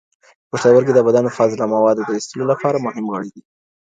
پښتورګي د بدن د فاضله موادو د ایستلو لپاره مهم غړي دي.